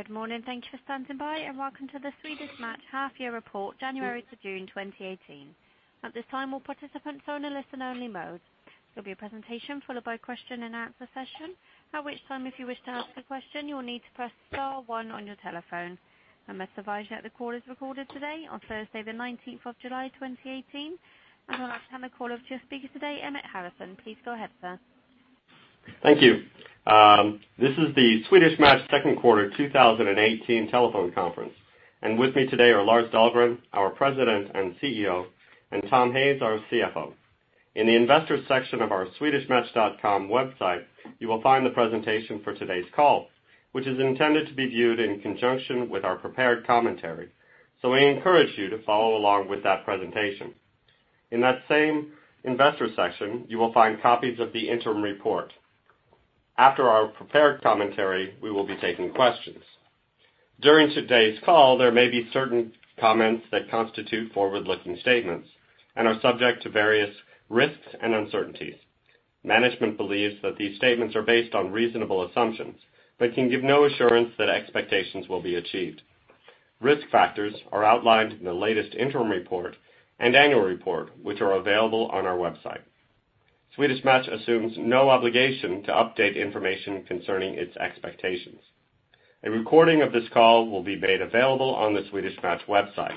Good morning. Thank you for standing by, and welcome to the Swedish Match Half Year Report, January to June 2018. At this time, all participants are in a listen-only mode. There'll be a presentation followed by question and answer session. At which time, if you wish to ask a question, you will need to press star one on your telephone. I must advise you that the call is recorded today, on Thursday the 19th of July, 2018. I'll now turn the call over to your speaker today, Emmett Harrison. Please go ahead, sir. Thank you. This is the Swedish Match second quarter 2018 telephone conference. With me today are Lars Dahlgren, our President and CEO, and Thomas Hayes, our CFO. In the Investors section of our swedishmatch.com website, you will find the presentation for today's call, which is intended to be viewed in conjunction with our prepared commentary. We encourage you to follow along with that presentation. In that same investor section, you will find copies of the interim report. After our prepared commentary, we will be taking questions. During today's call, there may be certain comments that constitute forward-looking statements and are subject to various risks and uncertainties. Management believes that these statements are based on reasonable assumptions but can give no assurance that expectations will be achieved. Risk factors are outlined in the latest interim report and annual report, which are available on our website. Swedish Match assumes no obligation to update information concerning its expectations. A recording of this call will be made available on the Swedish Match website.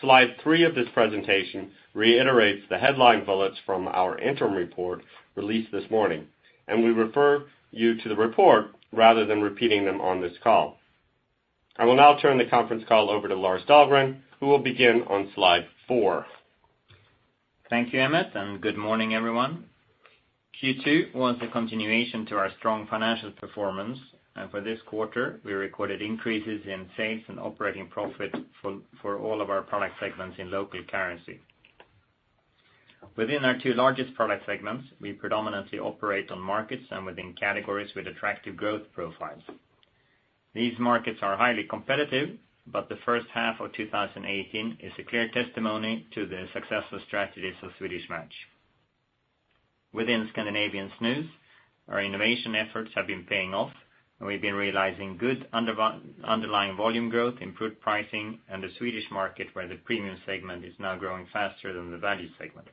Slide three of this presentation reiterates the headline bullets from our interim report released this morning, and we refer you to the report rather than repeating them on this call. I will now turn the conference call over to Lars Dahlgren, who will begin on slide four. Thank you, Emmett, and good morning, everyone. Q2 was a continuation to our strong financial performance, and for this quarter, we recorded increases in sales and operating profit for all of our product segments in local currency. Within our two largest product segments, we predominantly operate on markets and within categories with attractive growth profiles. These markets are highly competitive. The first half of 2018 is a clear testimony to the successful strategies of Swedish Match. Within Scandinavian snus, our innovation efforts have been paying off, and we've been realizing good underlying volume growth, improved pricing, and the Swedish market, where the premium segment is now growing faster than the value segment.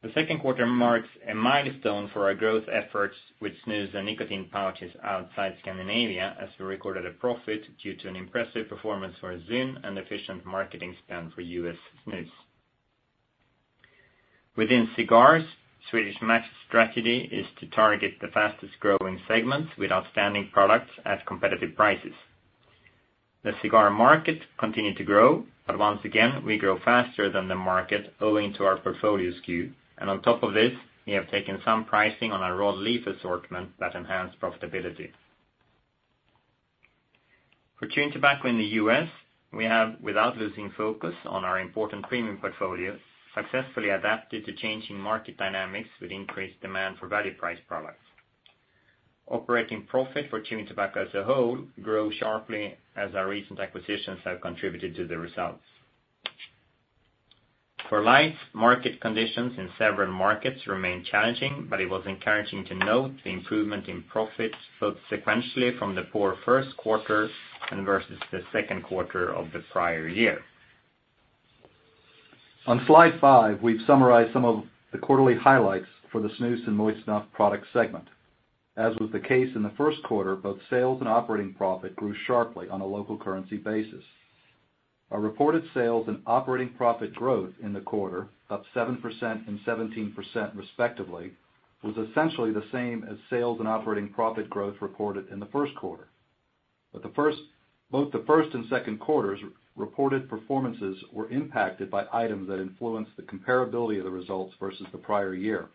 The second quarter marks a milestone for our growth efforts with snus and nicotine pouches outside Scandinavia, as we recorded a profit due to an impressive performance for ZYN and efficient marketing spend for U.S. snus. Within cigars, Swedish Match's strategy is to target the fastest-growing segments with outstanding products at competitive prices. The cigar market continued to grow, but once again, we grow faster than the market owing to our portfolio SKU. On top of this, we have taken some pricing on our rolled leaf assortment that enhance profitability. For chewing tobacco in the U.S., we have, without losing focus on our important premium portfolio, successfully adapted to changing market dynamics with increased demand for value price products. Operating profit for chewing tobacco as a whole grew sharply as our recent acquisitions have contributed to the results. For lights, market conditions in several markets remain challenging, but it was encouraging to note the improvement in profits, both sequentially from the poor first quarter and versus the second quarter of the prior year. On slide five, we've summarized some of the quarterly highlights for the snus and moist snuff product segment. As was the case in the first quarter, both sales and operating profit grew sharply on a local currency basis. Our reported sales and operating profit growth in the quarter, up 7% and 17% respectively, was essentially the same as sales and operating profit growth reported in the first quarter. Both the first and second quarters reported performances were impacted by items that influenced the comparability of the results versus the prior year.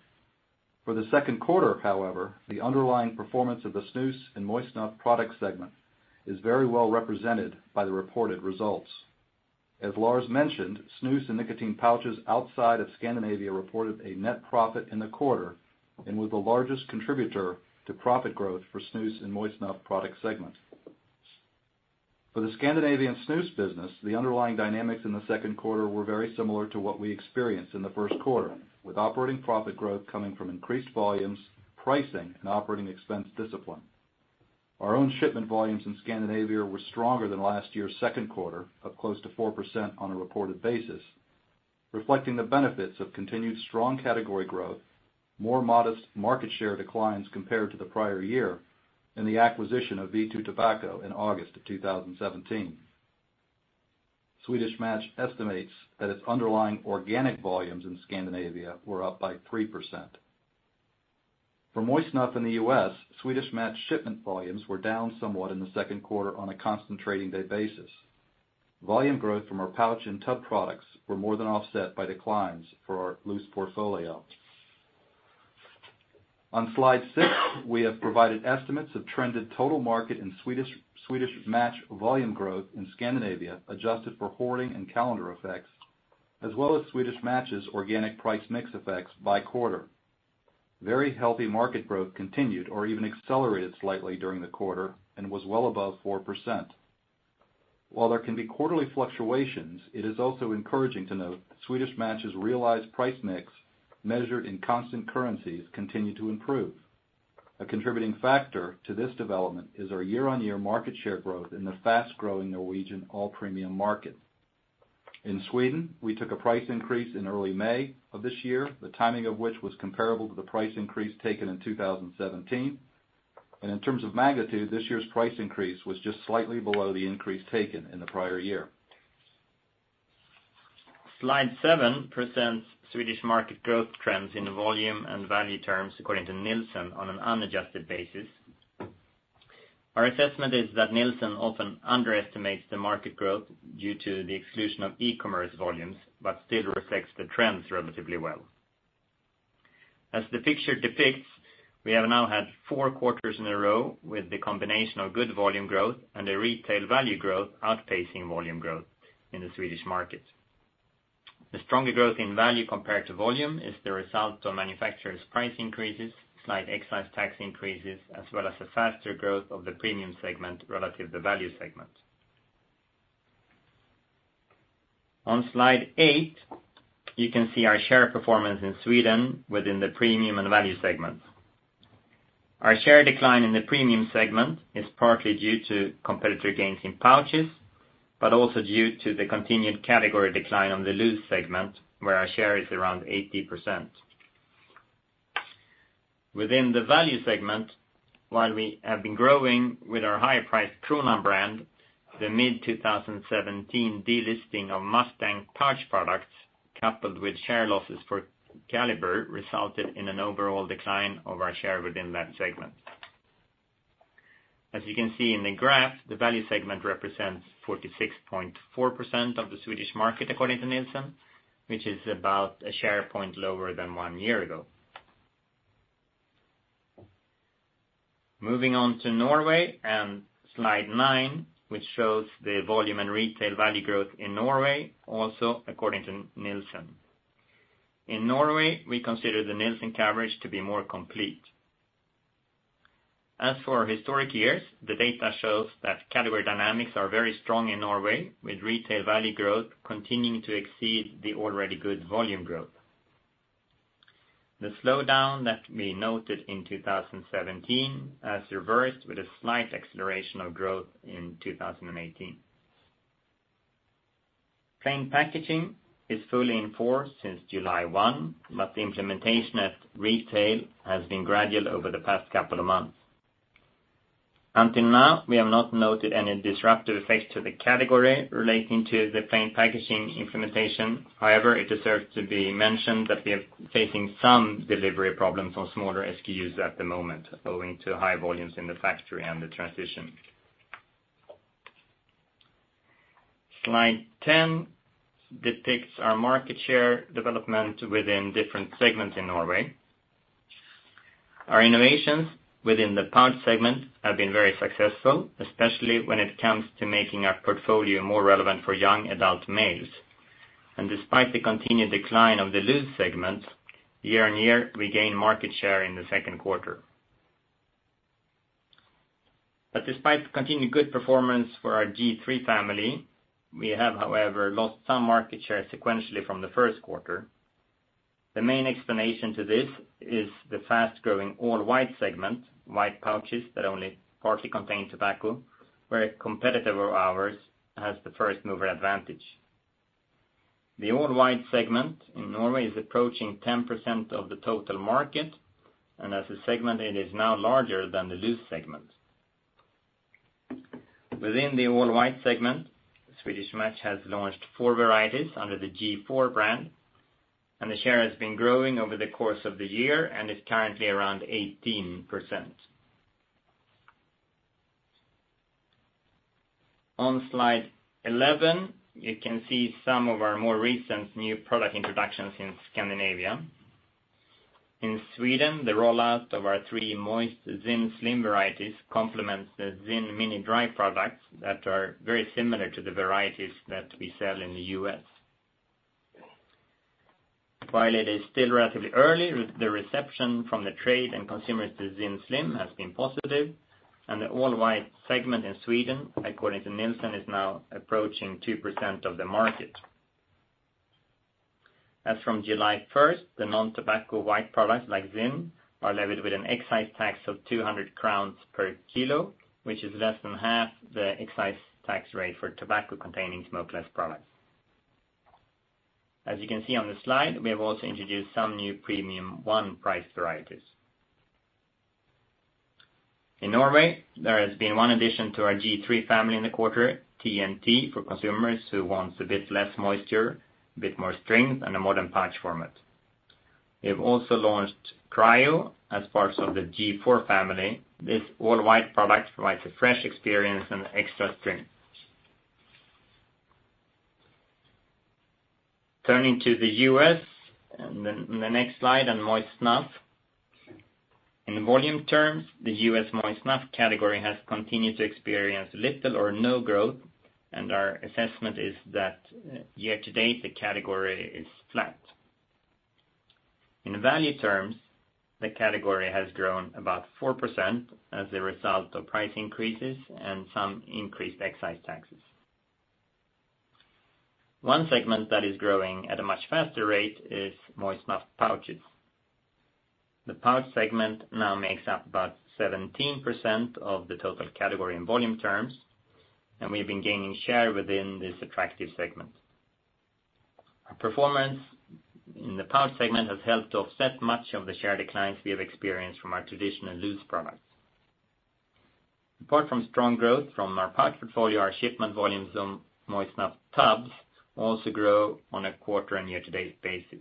For the second quarter, however, the underlying performance of the snus and moist snuff product segment is very well represented by the reported results. As Lars mentioned, snus and nicotine pouches outside of Scandinavia reported a net profit in the quarter and was the largest contributor to profit growth for snus and moist snuff product segments. For the Scandinavian snus business, the underlying dynamics in the second quarter were very similar to what we experienced in the first quarter, with operating profit growth coming from increased volumes, pricing, and operating expense discipline. Our own shipment volumes in Scandinavia were stronger than last year's second quarter, up close to 4% on a reported basis, reflecting the benefits of continued strong category growth, more modest market share declines compared to the prior year, and the acquisition of V2 Tobacco in August of 2017. Swedish Match estimates that its underlying organic volumes in Scandinavia were up by 3%. For moist snuff in the U.S., Swedish Match shipment volumes were down somewhat in the second quarter on a constant trading day basis. Volume growth from our pouch and tub products were more than offset by declines for our loose portfolio. On slide six, we have provided estimates of trended total market and Swedish Match volume growth in Scandinavia, adjusted for hoarding and calendar effects, as well as Swedish Match's organic price mix effects by quarter. Very healthy market growth continued or even accelerated slightly during the quarter and was well above 4%. While there can be quarterly fluctuations, it is also encouraging to note Swedish Match's realized price mix, measured in constant currencies, continue to improve. A contributing factor to this development is our year-on-year market share growth in the fast-growing Norwegian all-premium market. In Sweden, we took a price increase in early May of this year, the timing of which was comparable to the price increase taken in 2017. In terms of magnitude, this year's price increase was just slightly below the increase taken in the prior year. Slide seven presents Swedish market growth trends in volume and value terms according to Nielsen on an unadjusted basis. Our assessment is that Nielsen often underestimates the market growth due to the exclusion of e-commerce volumes, but still reflects the trends relatively well. As the picture depicts, we have now had four quarters in a row with the combination of good volume growth and a retail value growth outpacing volume growth in the Swedish market. The stronger growth in value compared to volume is the result of manufacturers' price increases, slight excise tax increases, as well as the faster growth of the premium segment relative to value segment. On slide eight, you can see our share performance in Sweden within the premium and value segments. Our share decline in the premium segment is partly due to competitor gains in pouches, but also due to the continued category decline on the loose segment, where our share is around 80%. Within the value segment, while we have been growing with our higher priced Kronan brand, the mid-2017 delisting of Mustang pouch products, coupled with share losses for Kaliber, resulted in an overall decline of our share within that segment. As you can see in the graph, the value segment represents 46.4% of the Swedish market according to Nielsen, which is about a share point lower than one year ago. Moving on to Norway and slide 9, which shows the volume and retail value growth in Norway, also according to Nielsen. In Norway, we consider the Nielsen coverage to be more complete. As for historic years, the data shows that category dynamics are very strong in Norway, with retail value growth continuing to exceed the already good volume growth. The slowdown that we noted in 2017 has reversed with a slight acceleration of growth in 2018. Plain packaging is fully in force since July 1, but the implementation at retail has been gradual over the past couple of months. Until now, we have not noted any disruptive effects to the category relating to the plain packaging implementation. It deserves to be mentioned that we are facing some delivery problems on smaller SKUs at the moment, owing to high volumes in the factory and the transition. Slide 10 depicts our market share development within different segments in Norway. Our innovations within the pouch segment have been very successful, especially when it comes to making our portfolio more relevant for young adult males. Despite the continued decline of the loose segments, year-on-year, we gained market share in the second quarter. Despite the continued good performance for our G.3 family, we have, however, lost some market share sequentially from the first quarter. The main explanation to this is the fast-growing all-white segment, white pouches that only partly contain tobacco, where a competitor of ours has the first-mover advantage. The all-white segment in Norway is approaching 10% of the total market, and as a segment, it is now larger than the loose segment. Within the all-white segment, Swedish Match has launched four varieties under the G.4 brand, and the share has been growing over the course of the year and is currently around 18%. On slide 11, you can see some of our more recent new product introductions in Scandinavia. In Sweden, the rollout of our three moist ZYN Slim varieties complements the ZYN Mini Dry products that are very similar to the varieties that we sell in the U.S. While it is still relatively early, the reception from the trade and consumers to ZYN Slim has been positive, and the all-white segment in Sweden, according to Nielsen, is now approaching 2% of the market. As from July 1st, the non-tobacco white products like ZYN are levied with an excise tax of 200 crowns per kilo, which is less than half the excise tax rate for tobacco-containing smokeless products. As you can see on the slide, we have also introduced some new premium one price varieties. In Norway, there has been one addition to our G.3 family in the quarter, T.N.T, for consumers who want a bit less moisture, a bit more strength, and a modern pouch format. We have also launched CRYO as part of the G.4 family. This all-white product provides a fresh experience and extra strength. Turning to the U.S., and the next slide on moist snuff. In volume terms, the U.S. moist snuff category has continued to experience little or no growth, and our assessment is that year-to-date, the category is flat. In value terms, the category has grown about 4% as a result of price increases and some increased excise taxes. One segment that is growing at a much faster rate is moist snuff pouches. The pouch segment now makes up about 17% of the total category in volume terms, and we've been gaining share within this attractive segment. Our performance in the pouch segment has helped to offset much of the share declines we have experienced from our traditional loose products. Apart from strong growth from our pouch portfolio, our shipment volumes on moist snuff tubs also grew on a quarter and year-to-date basis.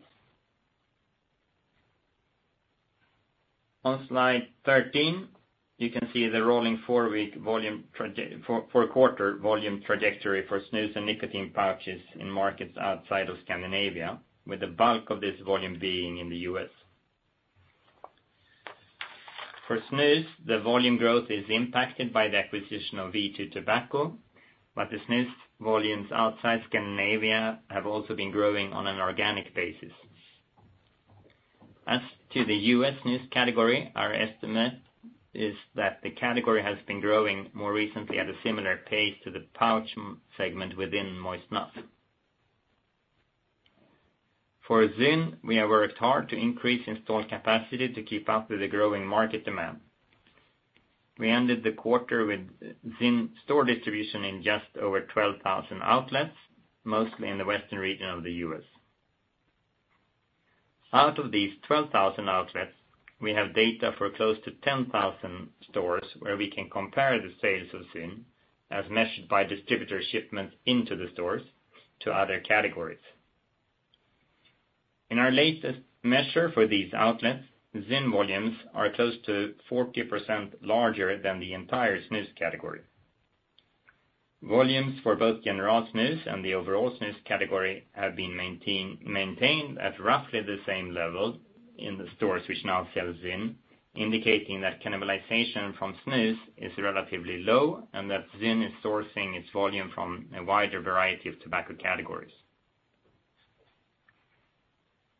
On slide 13, you can see the rolling four-quarter volume trajectory for snus and nicotine pouches in markets outside of Scandinavia, with the bulk of this volume being in the U.S. For snus, the volume growth is impacted by the acquisition of V2 Tobacco, but the snus volumes outside Scandinavia have also been growing on an organic basis. As to the U.S. snus category, our estimate is that the category has been growing more recently at a similar pace to the pouch segment within moist snuff. For ZYN, we have worked hard to increase installed capacity to keep up with the growing market demand. We ended the quarter with ZYN store distribution in just over 12,000 outlets, mostly in the Western region of the U.S. Out of these 12,000 outlets, we have data for close to 10,000 stores where we can compare the sales of ZYN as measured by distributor shipments into the stores to other categories. In our latest measure for these outlets, ZYN volumes are close to 40% larger than the entire snus category. Volumes for both General snus and the overall snus category have been maintained at roughly the same level in the stores which now sell ZYN, indicating that cannibalization from snus is relatively low and that ZYN is sourcing its volume from a wider variety of tobacco categories.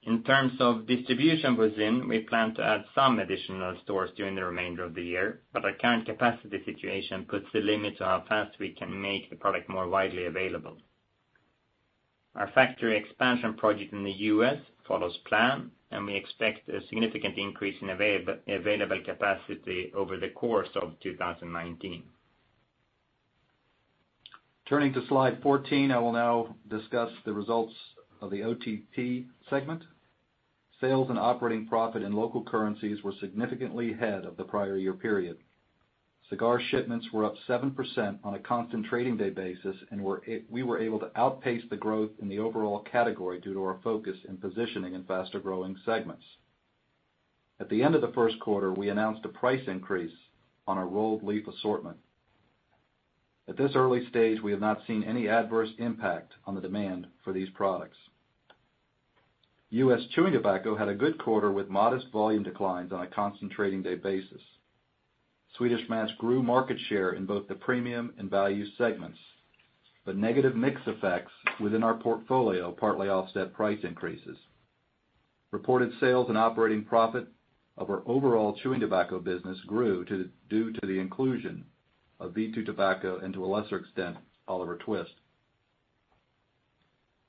In terms of distribution for ZYN, we plan to add some additional stores during the remainder of the year, but our current capacity situation puts a limit to how fast we can make the product more widely available. Our factory expansion project in the U.S. follows plan, we expect a significant increase in available capacity over the course of 2019. Turning to slide 14, I will now discuss the results of the OTP segment. Sales and operating profit in local currencies were significantly ahead of the prior year period. Cigar shipments were up 7% on a constant trading day basis, we were able to outpace the growth in the overall category due to our focus in positioning in faster-growing segments. At the end of the first quarter, we announced a price increase on our rolled leaf assortment. At this early stage, we have not seen any adverse impact on the demand for these products. U.S. chewing tobacco had a good quarter with modest volume declines on a constant trading day basis. Swedish Match grew market share in both the premium and value segments, negative mix effects within our portfolio partly offset price increases. Reported sales and operating profit of our overall chewing tobacco business grew due to the inclusion of V2 Tobacco and, to a lesser extent, Oliver Twist.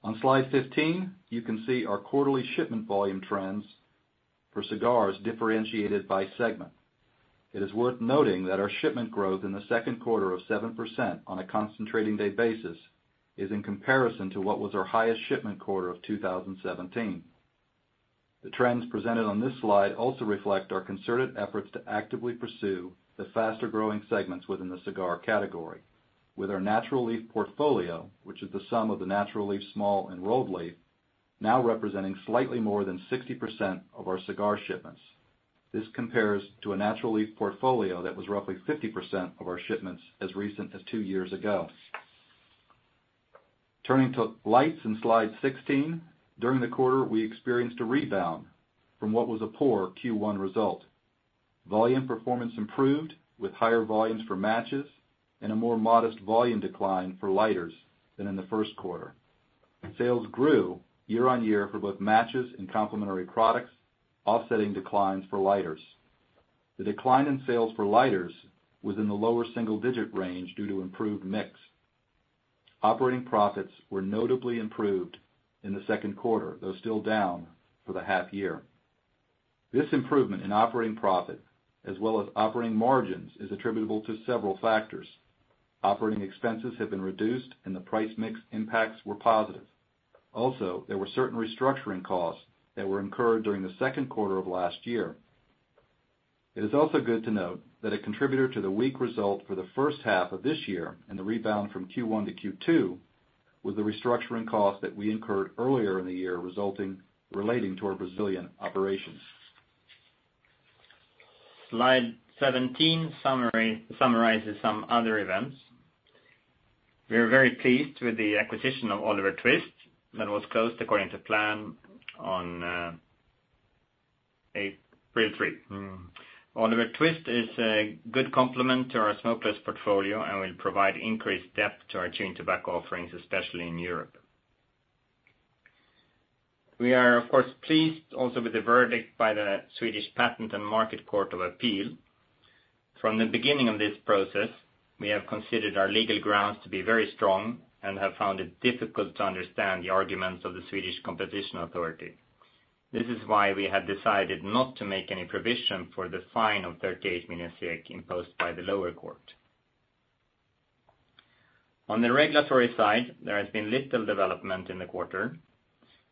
On slide 15, you can see our quarterly shipment volume trends for cigars differentiated by segment. It is worth noting that our shipment growth in the second quarter of 7% on a constant trading day basis is in comparison to what was our highest shipment quarter of 2017. The trends presented on this slide also reflect our concerted efforts to actively pursue the faster-growing segments within the cigar category. With our natural leaf portfolio, which is the sum of the natural leaf small and rolled leaf, now representing slightly more than 60% of our cigar shipments. This compares to a natural leaf portfolio that was roughly 50% of our shipments as recent as two years ago. Turning to lights in slide 16, during the quarter, we experienced a rebound from what was a poor Q1 result. Volume performance improved with higher volumes for matches and a more modest volume decline for lighters than in the first quarter. Sales grew year-over-year for both matches and complementary products, offsetting declines for lighters. The decline in sales for lighters was in the lower single-digit range due to improved mix. Operating profits were notably improved in the second quarter, though still down for the half year. This improvement in operating profit as well as operating margins is attributable to several factors. Operating expenses have been reduced, the price mix impacts were positive. There were certain restructuring costs that were incurred during the second quarter of last year. It is also good to note that a contributor to the weak result for the first half of this year and the rebound from Q1 to Q2 was the restructuring cost that we incurred earlier in the year relating to our Brazilian operations. Slide 17 summarizes some other events. We are very pleased with the acquisition of Oliver Twist. That was closed according to plan on. A real treat. Oliver Twist is a good complement to our smokeless portfolio and will provide increased depth to our chewing tobacco offerings, especially in Europe. We are, of course, pleased also with the verdict by the Swedish Patent and Market Court of Appeal. From the beginning of this process, we have considered our legal grounds to be very strong and have found it difficult to understand the arguments of the Swedish Competition Authority. This is why we have decided not to make any provision for the fine of 38 million SEK imposed by the lower court. On the regulatory side, there has been little development in the quarter.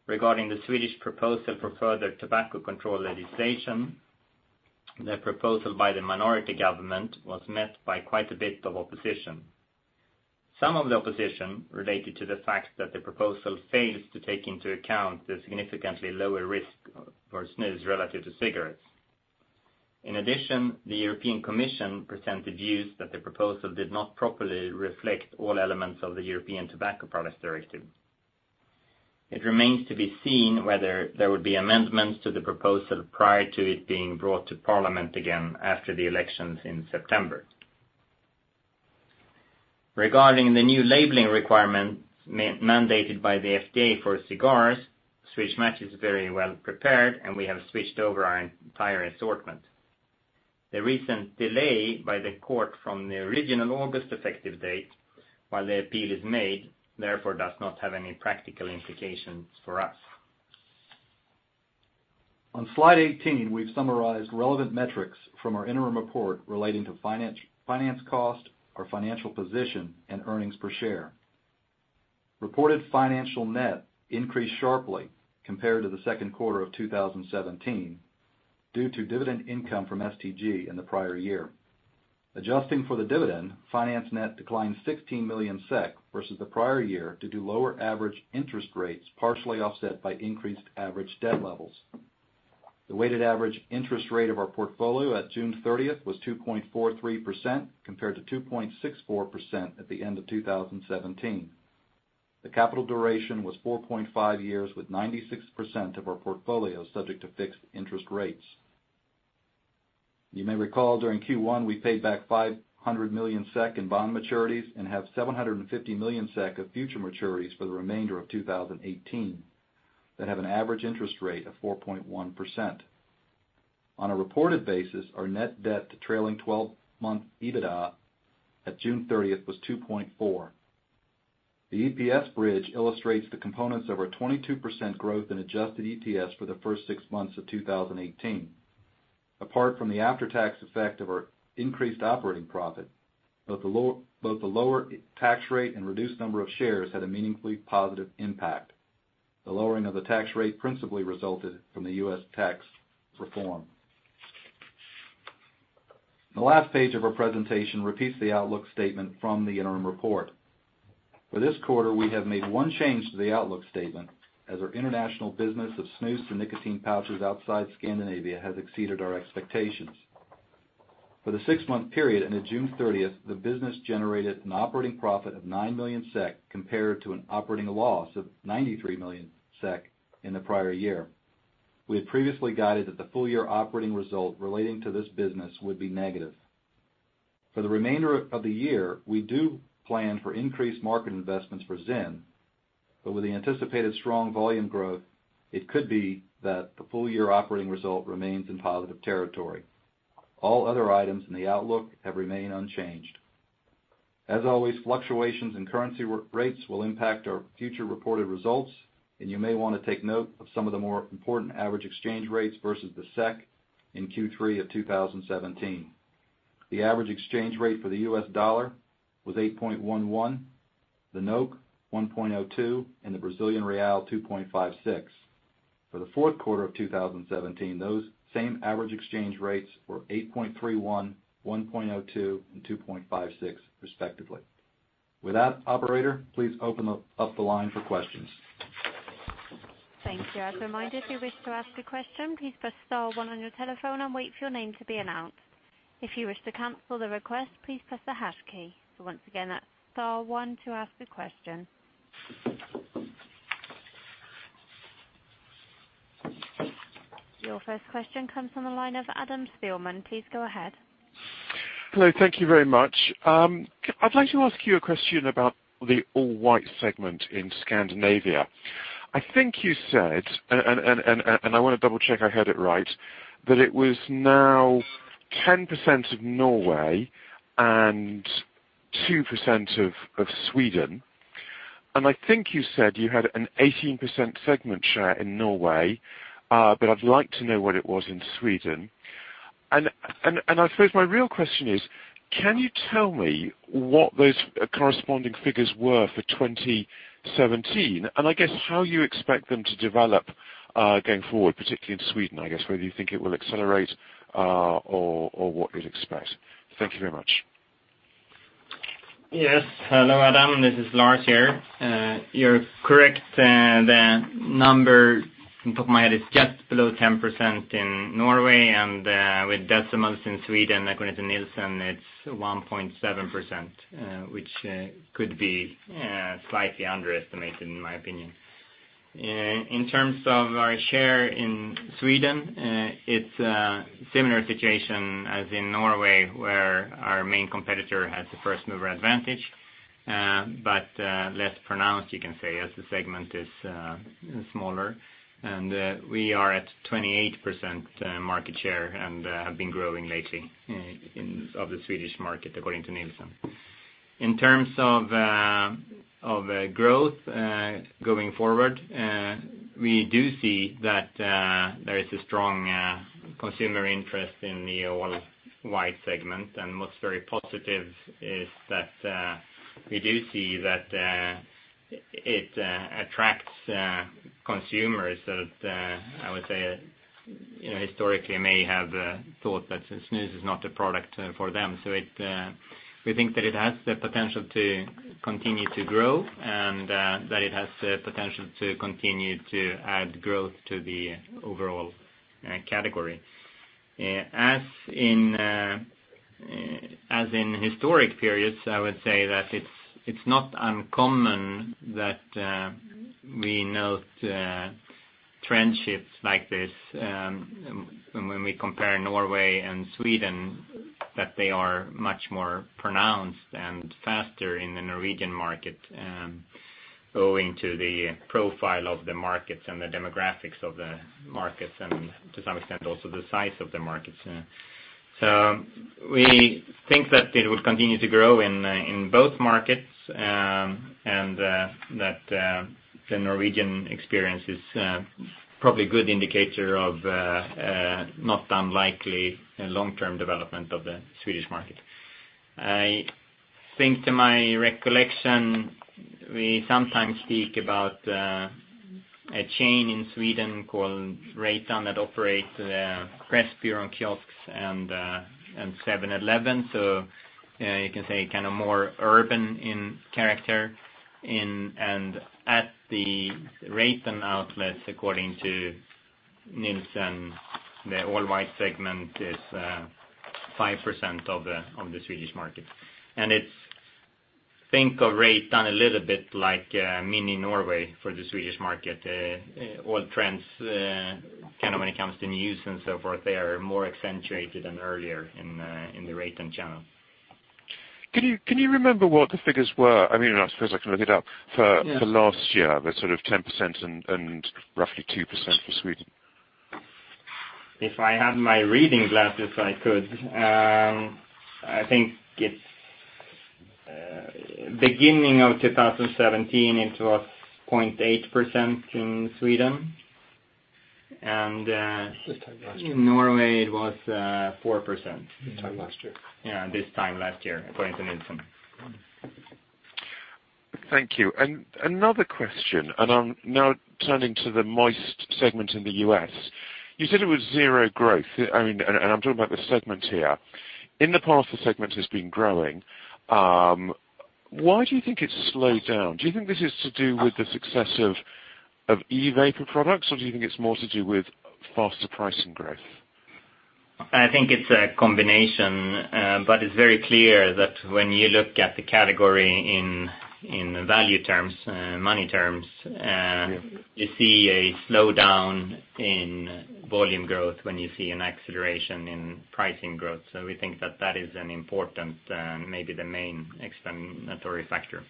Regarding the Swedish proposal for further tobacco control legislation, the proposal by the minority government was met by quite a bit of opposition. Some of the opposition related to the fact that the proposal fails to take into account the significantly lower risk for snus relative to cigarettes. In addition, the European Commission presented views that the proposal did not properly reflect all elements of the European Tobacco Products Directive. It remains to be seen whether there would be amendments to the proposal prior to it being brought to Parliament again after the elections in September. Regarding the new labeling requirements mandated by the FDA for cigars, Swedish Match is very well prepared, and we have switched over our entire assortment. The recent delay by the court from the original August effective date while the appeal is made, therefore does not have any practical implications for us. On slide 18, we've summarized relevant metrics from our interim report relating to finance cost, our financial position, and earnings per share. Reported financial net increased sharply compared to the second quarter of 2017 due to dividend income from STG in the prior year. Adjusting for the dividend, finance net declined 16 million SEK versus the prior year due to lower average interest rates, partially offset by increased average debt levels. The weighted average interest rate of our portfolio at June 30th was 2.43%, compared to 2.64% at the end of 2017. The capital duration was 4.5 years, with 96% of our portfolio subject to fixed interest rates. You may recall, during Q1, we paid back 500 million SEK in bond maturities and have 750 million SEK of future maturities for the remainder of 2018 that have an average interest rate of 4.1%. On a reported basis, our net debt to trailing 12-month EBITDA at June 30th was 2.4. The EPS bridge illustrates the components of our 22% growth in adjusted EPS for the first six months of 2018. Apart from the after-tax effect of our increased operating profit, both the lower tax rate and reduced number of shares had a meaningfully positive impact. The lowering of the tax rate principally resulted from the U.S. tax reform. The last page of our presentation repeats the outlook statement from the interim report. For this quarter, we have made one change to the outlook statement as our international business of snus and nicotine pouches outside Scandinavia has exceeded our expectations. For the six-month period ending June 30th, the business generated an operating profit of 9 million SEK compared to an operating loss of 93 million SEK in the prior year. We had previously guided that the full-year operating result relating to this business would be negative. For the remainder of the year, we do plan for increased market investments for ZYN, but with the anticipated strong volume growth, it could be that the full-year operating result remains in positive territory. All other items in the outlook have remained unchanged. As always, fluctuations in currency rates will impact our future reported results, and you may want to take note of some of the more important average exchange rates versus the SEK in Q3 of 2017. The average exchange rate for the US dollar was 8.11, the 1.02, and the Brazilian real 2.56. For the fourth quarter of 2017, those same average exchange rates were 8.31, 1.02, and 2.56 respectively. With that, operator, please open up the line for questions. Thank you. As a reminder, if you wish to ask a question, please press star one on your telephone and wait for your name to be announced. If you wish to cancel the request, please press the hash key. Once again, that's star one to ask a question. Your first question comes from the line of Adam Spielman. Please go ahead. Hello. Thank you very much. I'd like to ask you a question about the all-white segment in Scandinavia. I think you said, and I want to double-check I heard it right, that it was now 10% of Norway and 2% of Sweden. I think you said you had an 18% segment share in Norway, but I'd like to know what it was in Sweden. I suppose my real question is: Can you tell me what those corresponding figures were for 2017? I guess how you expect them to develop going forward, particularly in Sweden, I guess, whether you think it will accelerate or what you'd expect. Thank you very much. Yes. Hello, Adam. This is Lars here. You're correct. The number off the top of my head is just below 10% in Norway and with decimals in Sweden. According to Nielsen, it's 1.7%, which could be slightly underestimated in my opinion. In terms of our share in Sweden, it's a similar situation as in Norway, where our main competitor has the first-mover advantage, but less pronounced, you can say, as the segment is smaller. We are at 28% market share and have been growing lately of the Swedish market, according to Nielsen. In terms of growth going forward, we do see that there is a strong consumer interest in the all-white segment. What's very positive is that we do see that it attracts consumers that, I would say, historically may have thought that snus is not a product for them. We think that it has the potential to continue to grow, and that it has the potential to continue to add growth to the overall category. As in historic periods, I would say that it's not uncommon that we note trend shifts like this, and when we compare Norway and Sweden, that they are much more pronounced and faster in the Norwegian market, owing to the profile of the markets and the demographics of the markets, and to some extent, also the size of the markets. We think that it would continue to grow in both markets, and that the Norwegian experience is probably a good indicator of not unlikely long-term development of the Swedish market. I think to my recollection, we sometimes speak about a chain in Sweden called Reitan that operates Pressbyrån kiosks and 7-Eleven, so you can say kind of more urban in character. At the Reitan outlets, according to Nielsen, the all-white segment is 5% of the Swedish market. Think of Reitan a little bit like mini Norway for the Swedish market. All trends, when it comes to snus and so forth, they are more accentuated than earlier in the Reitan channel. Can you remember what the figures were? I suppose I can look it up. Yes last year, the 10% and roughly 2% for Sweden. If I had my reading glasses, I could. I think it's beginning of 2017, it was 0.8% in Sweden. This time last year in Norway, it was 4%. This time last year. Yeah, this time last year, according to Nielsen. Thank you. Another question, I'm now turning to the moist segment in the U.S. You said it was zero growth. I'm talking about the segment here. In the past, the segment has been growing. Why do you think it's slowed down? Do you think this is to do with the success of e-vapor products, or do you think it's more to do with faster pricing growth? I think it's a combination. It's very clear that when you look at the category in value terms, money terms. Yeah you see a slowdown in volume growth when you see an acceleration in pricing growth. We think that that is an important, maybe the main explanatory factor.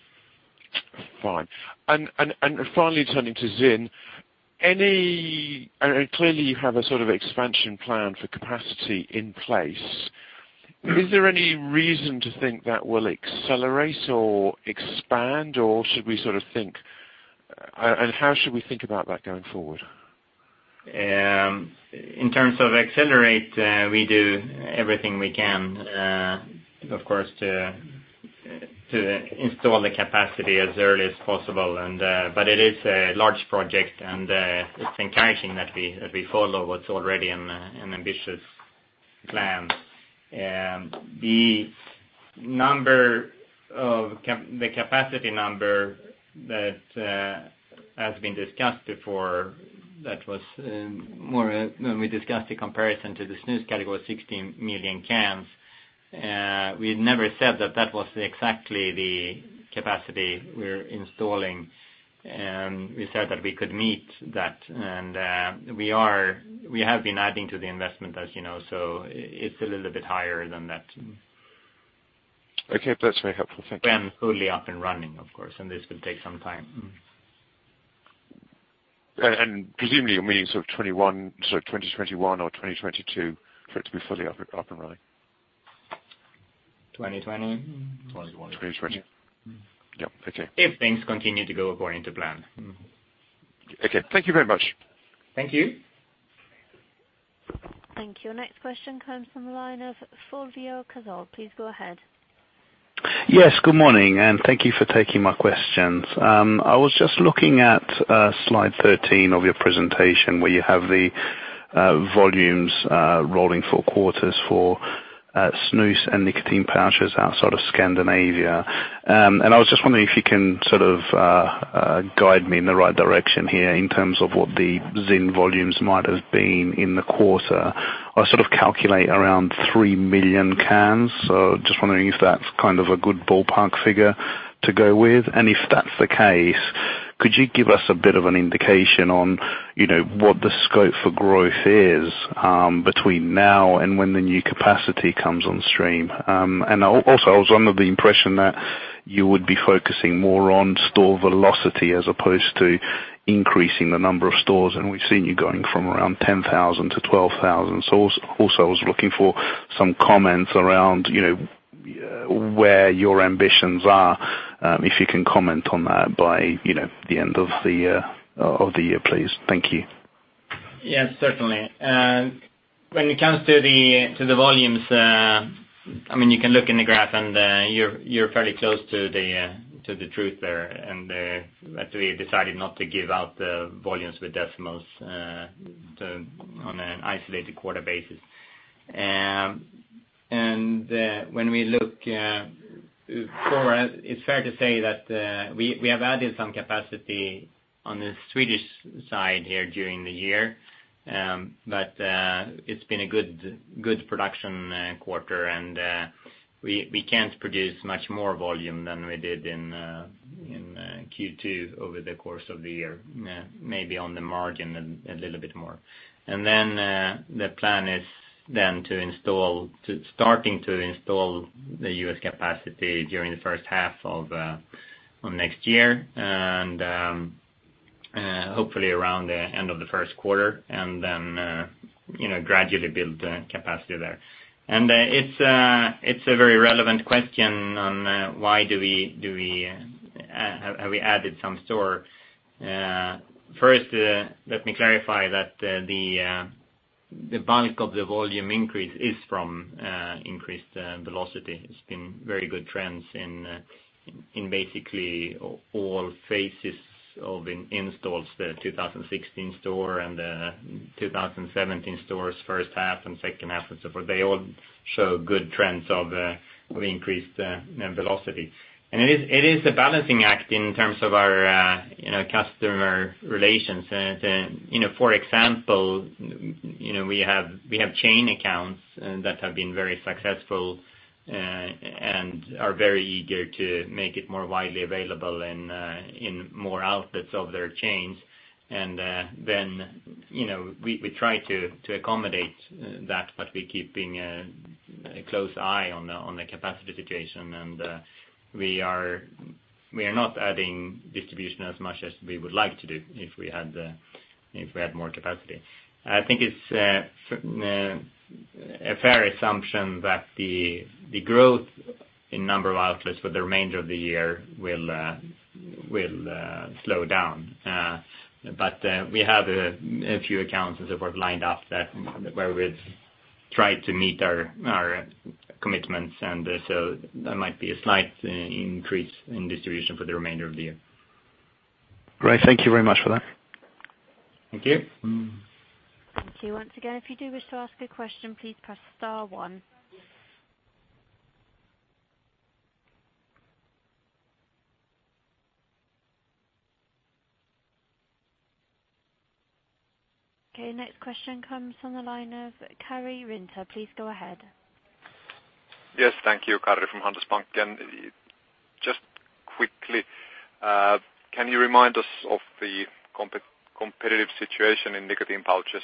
Fine. Finally turning to ZYN. Clearly, you have an expansion plan for capacity in place. Is there any reason to think that will accelerate or expand, or how should we think about that going forward? In terms of accelerate, we do everything we can, of course, to install the capacity as early as possible. It is a large project, and it's encouraging that we follow what's already an ambitious plan. The capacity number that has been discussed before, when we discussed the comparison to the snus category, was 16 million cans. We never said that that was exactly the capacity we're installing. We said that we could meet that, and we have been adding to the investment, as you know, so it's a little bit higher than that. Okay. That's very helpful. Thank you. When fully up and running, of course, this could take some time. Presumably, you mean 2021 or 2022 for it to be fully up and running. 2020. 2020. Yep. Okay. If things continue to go according to plan. Okay. Thank you very much. Thank you. Thank you. Next question comes from the line of Fulvio Cazzol. Please go ahead. Yes, good morning, and thank you for taking my questions. I was just looking at slide 13 of your presentation, where you have the volumes rolling four quarters for snus and nicotine pouches outside of Scandinavia. I was just wondering if you can guide me in the right direction here in terms of what the ZYN volumes might have been in the quarter. I calculate around three million cans, so just wondering if that's a good ballpark figure to go with. If that's the case, could you give us a bit of an indication on what the scope for growth is between now and when the new capacity comes on stream? Also, I was under the impression that you would be focusing more on store velocity as opposed to increasing the number of stores, and we've seen you going from around 10,000 to 12,000. I was looking for some comments around where your ambitions are, if you can comment on that by the end of the year, please. Thank you. Yes, certainly. When it comes to the volumes, you can look in the graph and you're fairly close to the truth there, and there. We decided not to give out the volumes with decimals on an isolated quarter basis. When we look forward, it's fair to say that we have added some capacity on the Swedish side here during the year. It's been a good production quarter and we can't produce much more volume than we did in Q2 over the course of the year. Maybe on the margin, a little bit more. Then the plan is then to starting to install the U.S. capacity during the first half of next year, and hopefully around the end of the first quarter and then gradually build the capacity there. It's a very relevant question on why have we added some more. First, let me clarify that the bulk of the volume increase is from increased velocity. It's been very good trends in basically all phases of installs, the 2016 store and the 2017 stores, first half and second half and so forth. They all show good trends of increased velocity. It is a balancing act in terms of our customer relations. For example, we have chain accounts that have been very successful and are very eager to make it more widely available in more outlets of their chains. Then, we try to accommodate that, but we're keeping a close eye on the capacity situation. We are not adding distribution as much as we would like to do if we had more capacity. I think it's a fair assumption that the growth in number of outlets for the remainder of the year will slow down. We have a few accounts and so forth lined up where we've tried to meet our commitments, so there might be a slight increase in distribution for the remainder of the year. Great. Thank you very much for that. Thank you. Thank you. Once again, if you do wish to ask a question, please press star one. Next question comes on the line of Karri Rinta. Please go ahead. Yes, thank you. Karri from Handelsbanken. Just quickly, can you remind us of the competitive situation in nicotine pouches,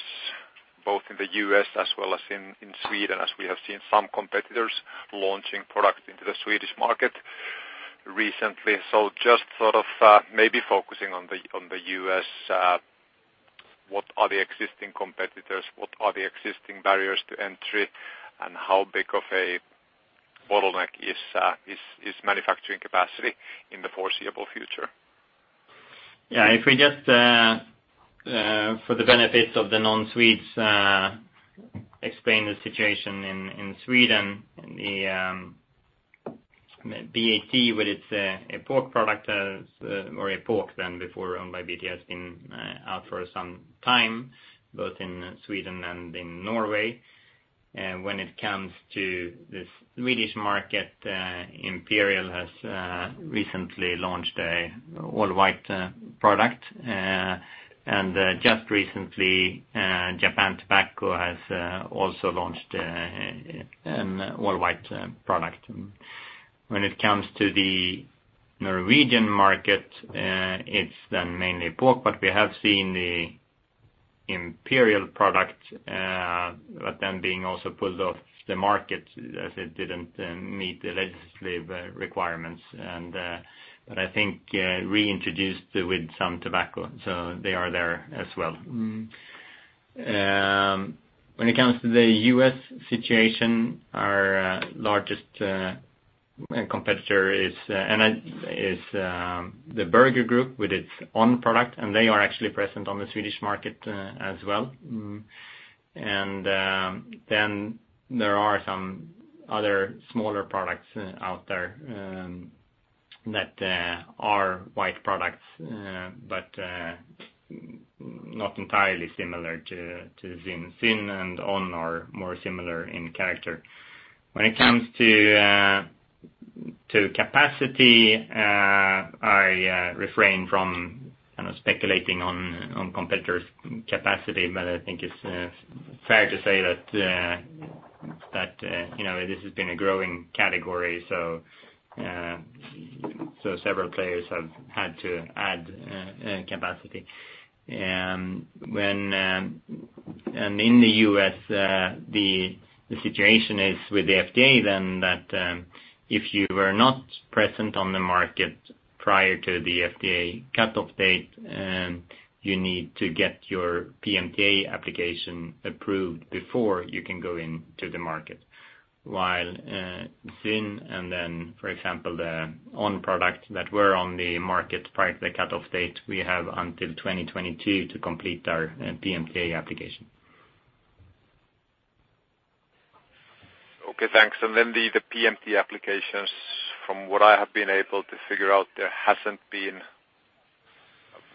both in the U.S. as well as in Sweden, as we have seen some competitors launching products into the Swedish market recently. Just sort of maybe focusing on the U.S., what are the existing competitors, what are the existing barriers to entry, and how big of a bottleneck is manufacturing capacity in the foreseeable future? If we just for the benefits of the non-Swedes, explain the situation in Sweden. The BAT with its Epok product, or Epok then before owned by BAT, been out for some time, both in Sweden and in Norway. When it comes to the Swedish market, Imperial has recently launched a all-white product. Just recently, Japan Tobacco has also launched an all-white product. When it comes to the Norwegian market, it's then mainly Epok, but we have seen the Imperial product, then being also pulled off the market as it didn't meet the legislative requirements. I think reintroduced with some tobacco, so they are there as well. When it comes to the U.S. situation, our largest competitor is the Burger Group with its On! product, and they are actually present on the Swedish market as well. There are some other smaller products out there that are white products but not entirely similar to ZYN. ZYN and On! are more similar in character. When it comes to capacity, I refrain from speculating on competitors' capacity, but I think it's fair to say that this has been a growing category, so several players have had to add capacity. In the U.S., the situation is with the FDA, then that if you were not present on the market prior to the FDA cutoff date, you need to get your PMTA application approved before you can go into the market. While ZYN, for example, the On! product that were on the market prior to the cutoff date, we have until 2022 to complete our PMTA application. Okay, thanks. The PMTA applications, from what I have been able to figure out, there hasn't been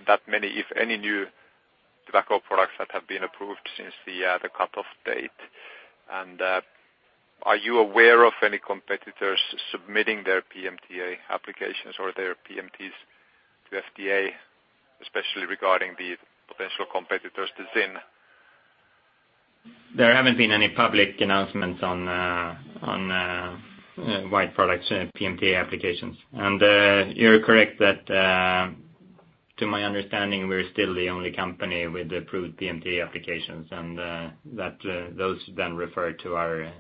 that many, if any, new tobacco products that have been approved since the cutoff date. Are you aware of any competitors submitting their PMTA applications or their PMTAs to FDA, especially regarding the potential competitors to ZYN? There haven't been any public announcements on all-white products PMTA applications. You're correct that, to my understanding, we're still the only company with approved PMTA applications, and that those then refer to our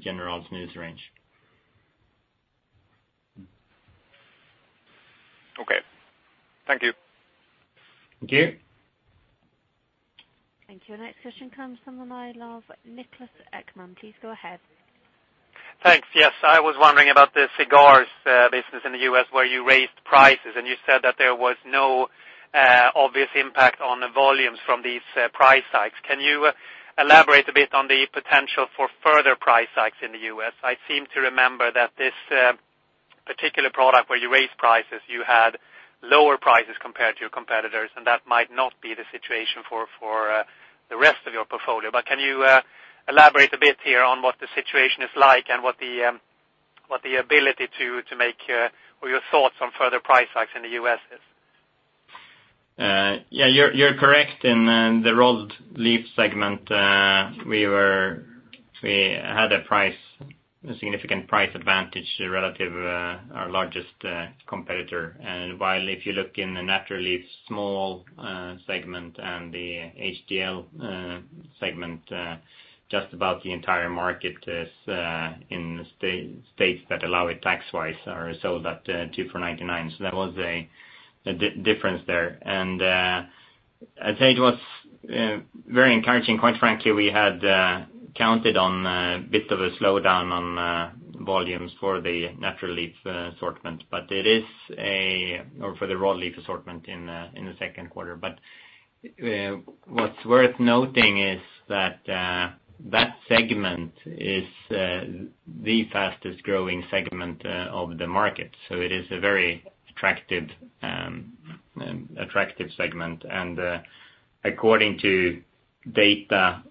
General snus range. Okay. Thank you. Thank you. Thank you. Next question comes from the line of Niklas Ekman. Please go ahead. Thanks. Yes. I was wondering about the cigars business in the U.S. where you raised prices and you said that there was no obvious impact on the volumes from these price hikes. Can you elaborate a bit on the potential for further price hikes in the U.S.? I seem to remember that this particular product where you raised prices, you had lower prices compared to your competitors, and that might not be the situation for the rest of your portfolio. Can you elaborate a bit here on what the situation is like and what the ability to make or your thoughts on further price hikes in the U.S. is? Yeah, you're correct. In the rolled leaf segment, we had a significant price advantage relative our largest competitor. While if you look in the natural leaf small segment and the HTL segment, just about the entire market is in the states that allow it tax-wise are sold at two for $0.99. That was a difference there. I'd say it was very encouraging, quite frankly, we had counted on a bit of a slowdown on volumes for the natural leaf assortment, or for the rolled leaf assortment in the second quarter. What's worth noting is that segment is the fastest-growing segment of the market. It is a very attractive segment. According to data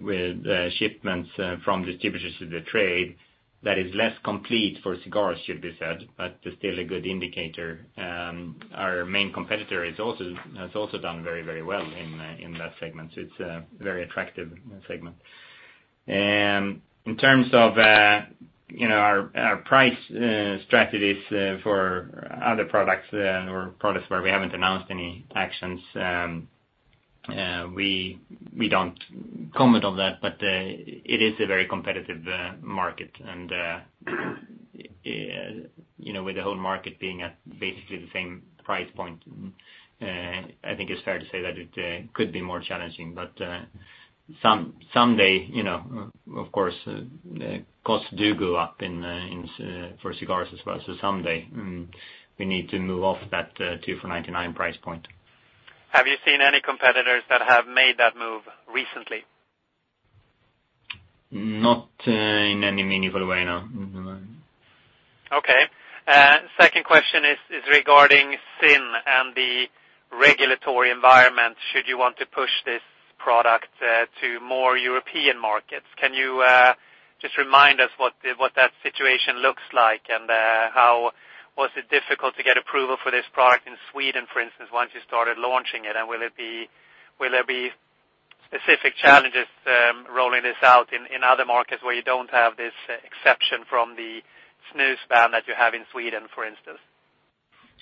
with shipments from distributors to the trade, that is less complete for cigars, should be said, but still a good indicator. Our main competitor has also done very well in that segment. It's a very attractive segment. In terms of our price strategies for other products or products where we haven't announced any actions, we don't comment on that, but it is a very competitive market. With the whole market being at basically the same price point, I think it's fair to say that it could be more challenging, but someday, of course, costs do go up for cigars as well. Someday we need to move off that two for $0.99 price point. Have you seen any competitors that have made that move recently? Not in any meaningful way, no. Okay. Second question is regarding ZYN and the regulatory environment should you want to push this product to more European markets. Can you just remind us what that situation looks like and how was it difficult to get approval for this product in Sweden, for instance, once you started launching it? Will there be specific challenges rolling this out in other markets where you don't have this exception from the snus ban that you have in Sweden, for instance?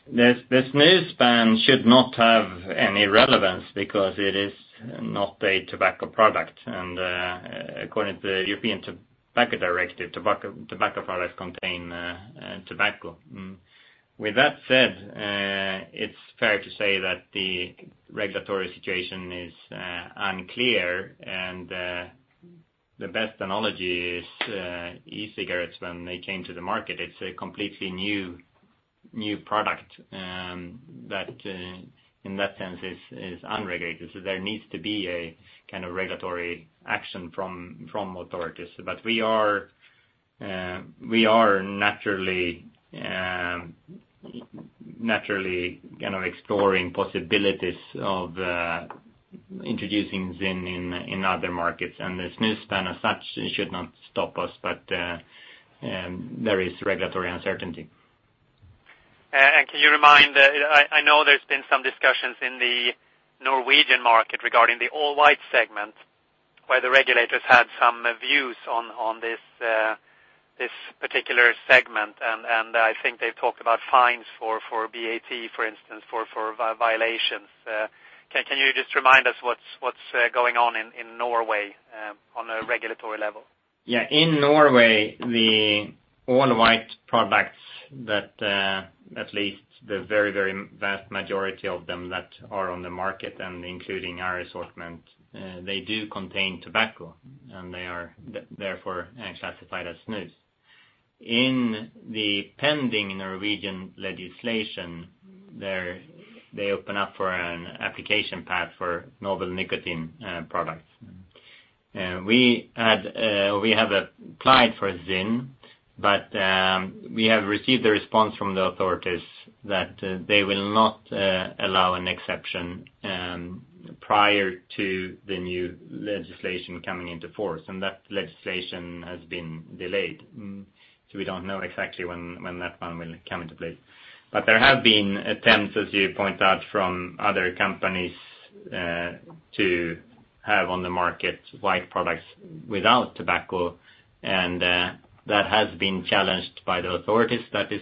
The snus ban should not have any relevance because it is not a tobacco product. According to the European Tobacco Products Directive, tobacco products contain tobacco. With that said, it's fair to say that the regulatory situation is unclear, and the best analogy is e-cigarettes when they came to the market. It's a completely new product, that in that sense is unregulated. There needs to be a regulatory action from authorities. We are naturally exploring possibilities of introducing ZYN in other markets, and the snus ban as such should not stop us, but there is regulatory uncertainty. Can you remind, I know there's been some discussions in the Norwegian market regarding the all-white segment, where the regulators had some views on this particular segment, and I think they've talked about fines for BAT, for instance, for violations. Can you just remind us what's going on in Norway on a regulatory level? In Norway, the all-white products that at least the very vast majority of them that are on the market and including our assortment, they do contain tobacco and they are therefore classified as snus. In the pending Norwegian legislation, they open up for an application path for novel nicotine products. We have applied for ZYN, but we have received a response from the authorities that they will not allow an exception prior to the new legislation coming into force, and that legislation has been delayed. We don't know exactly when that one will come into place. There have been attempts, as you point out, from other companies, to have on the market white products without tobacco, and that has been challenged by the authorities. That is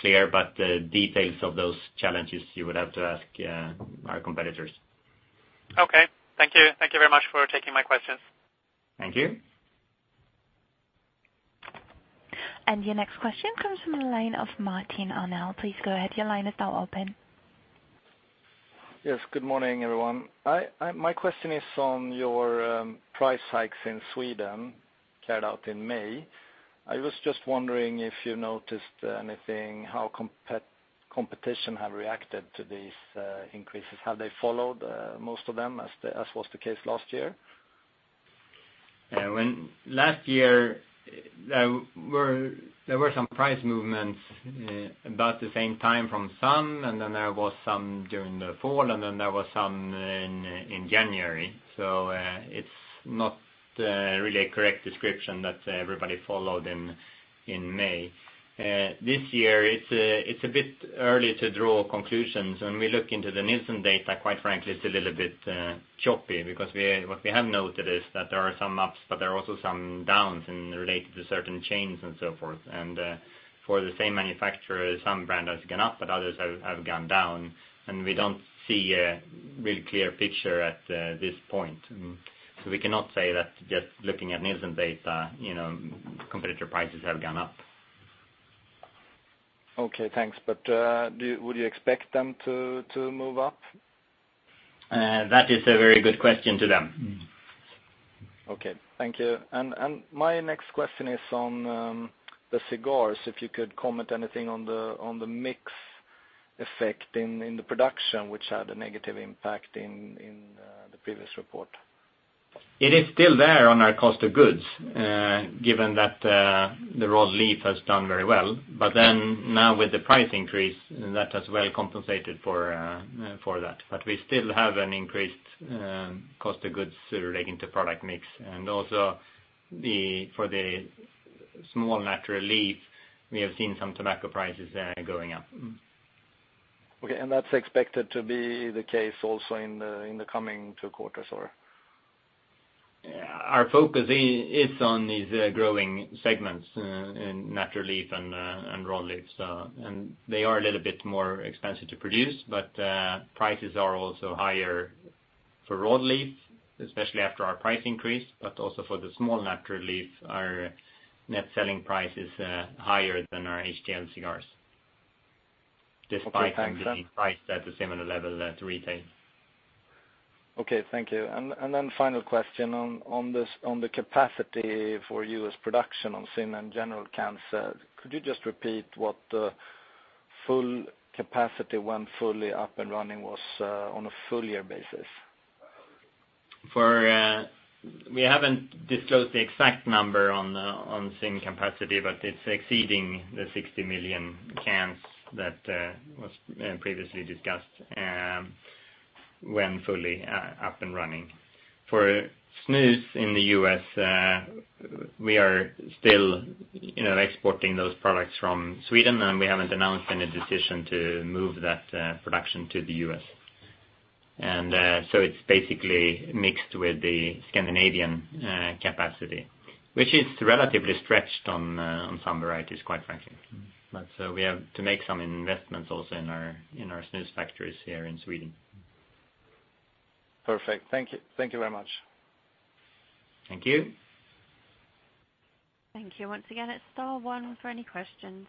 clear, but the details of those challenges, you would have to ask our competitors. Okay. Thank you. Thank you very much for taking my questions. Thank you. Your next question comes from the line of Martin Arnell. Please go ahead, your line is now open. Yes. Good morning, everyone. My question is on your price hikes in Sweden, carried out in May. I was just wondering if you noticed anything, how competition have reacted to these increases. Have they followed most of them, as was the case last year? Last year, there were some price movements about the same time from some, then there was some during the fall, then there was some in January. It's not really a correct description that everybody followed in May. This year, it's a bit early to draw conclusions. When we look into the Nielsen data, quite frankly, it's a little bit choppy because what we have noted is that there are some ups, but there are also some downs related to certain chains and so forth. For the same manufacturer, some brand has gone up, but others have gone down, and we don't see a real clear picture at this point. We cannot say that just looking at Nielsen data, competitor prices have gone up. Okay, thanks. Would you expect them to move up? That is a very good question to them. Okay. Thank you. My next question is on the cigars. If you could comment anything on the mix effect in the production, which had a negative impact in the previous report. It is still there on our cost of goods, given that the rolled leaf has done very well. Now with the price increase, that has well compensated for that. We still have an increased cost of goods relating to product mix. Also for the small natural leaf, we have seen some tobacco prices going up. Okay, that's expected to be the case also in the coming two quarters or? Our focus is on these growing segments in natural leaf and rolled leaf. They are a little bit more expensive to produce, prices are also higher for rolled leaf, especially after our price increase, also for the small natural leaf, our net selling price is higher than our HTL cigars. Okay, thanks. Despite being priced at a similar level at retail. Okay, thank you. Final question on the capacity for U.S. production on ZYN and General cans. Could you just repeat what the full capacity when fully up and running was on a full year basis? We haven't disclosed the exact number on ZYN capacity, but it's exceeding the 60 million cans that was previously discussed when fully up and running. For snus in the U.S., we are still exporting those products from Sweden, we haven't announced any decision to move that production to the U.S. It's basically mixed with the Scandinavian capacity, which is relatively stretched on some varieties, quite frankly. We have to make some investments also in our snus factories here in Sweden. Perfect. Thank you. Thank you very much. Thank you. Thank you. Once again, it is star one for any questions.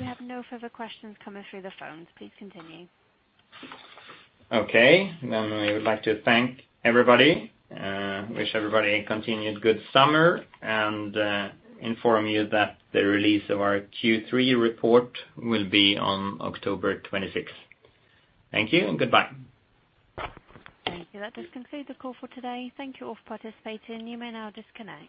We have no further questions coming through the phones. Please continue. We would like to thank everybody. Wish everybody a continued good summer, and inform you that the release of our Q3 Report will be on October 26th. Thank you and goodbye. Thank you. That does conclude the call for today. Thank you all for participating. You may now disconnect.